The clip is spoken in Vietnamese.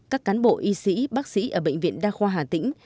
các cán bộ y sĩ bác sĩ ở bệnh viện đa khoa hà tĩnh